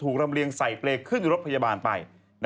ถูกรำเรียงใส่เปรกขึ้นรถพยาบาลไป